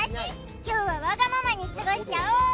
今日はワガママに過ごしちゃおう